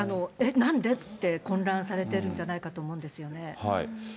なんで？って、混乱されてるんじゃないかと思うんですよね。